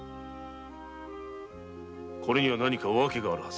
これには何か訳があるはず